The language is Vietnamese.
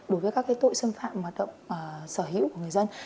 đối với các tội xâm phạm hoạt động sở hữu của người dân